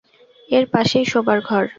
এর পাশেই শোবার ঘর।